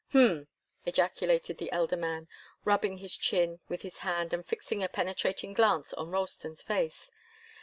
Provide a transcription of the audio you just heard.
"Hm!" ejaculated the elder man, rubbing his chin with his hand and fixing a penetrating glance on Ralston's face.